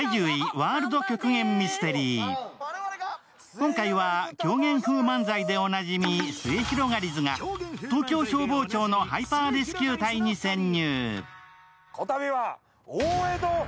今回は、狂言風漫才でおなじみ、すゑひろがりずが東京消防庁のハイパーレスキュー隊に潜入。